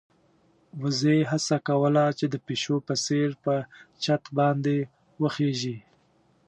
وزې هڅه کوله چې د پيشو په څېر په چت باندې وخېژي.